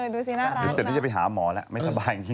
ดูสีน่ารักนะเสร็จที่จะไปหาหมอแหละไม่สบายอย่างนี้